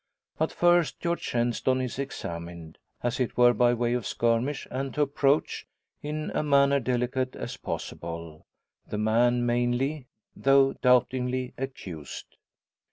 But first George Shenstone is examined as it were by way of skirmish, and to approach, in a manner delicate as possible, the man mainly, though doubtingly accused.